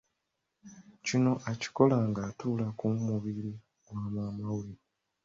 Kino akikola ng’atuula ku mubiri gwa maama we.